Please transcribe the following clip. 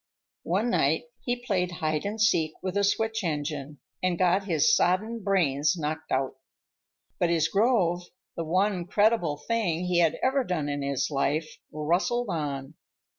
One night he played hide and seek with a switch engine and got his sodden brains knocked out. But his grove, the one creditable thing he had ever done in his life, rustled on.